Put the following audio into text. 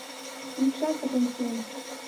Йӱкшат пытен шуын.